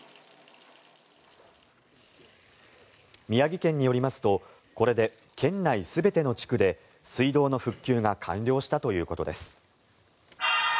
宮城県によりますとこれで県内全ての地区で水道の復旧が完了したということです。